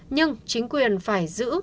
nhưng chính quyền phải giữ